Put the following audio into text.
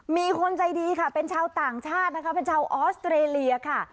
มีคนใจดีค่ะเป็นชาวต่างชาตินะคะเป็นชาวออสเตรเลียค่ะ